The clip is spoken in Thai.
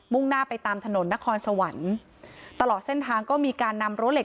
่งหน้าไปตามถนนนครสวรรค์ตลอดเส้นทางก็มีการนำรั้วเหล็